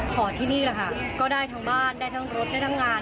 ของที่นี่แหละค่ะก็ได้ทั้งบ้านได้ทั้งรถได้ทั้งงาน